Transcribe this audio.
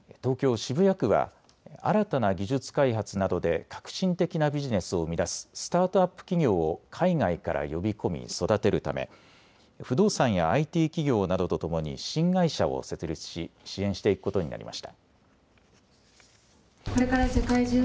渋谷区は新たな技術開発などで革新的なビジネスを生み出すスタートアップ企業を海外から呼び込み、育てるため不動産やＩＴ企業などとともに新会社を設立し支援していくことになりました。